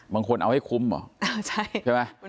บางคนเอาให้คุ้มเหรอ